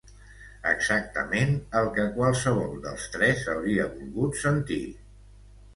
Exactament el que qualsevol dels tres hauria volgut sentir.